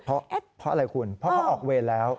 เพราะอะไรคุณเพราะเขาออกเวรแล้ว